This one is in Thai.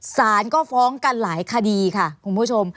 สารก็ฟ้องกันหลายคดีค่ะคุณผู้ชม